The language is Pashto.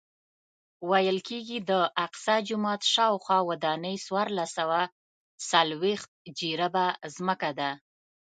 ویل کېږي د اقصی جومات شاوخوا ودانۍ څوارلس سوه څلوېښت جریبه ځمکه ده.